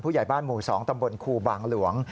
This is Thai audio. ใหญ่บ้านหมู่๒ตำบลครูบางหลวง